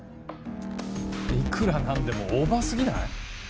いくら何でもオーバー過ぎない？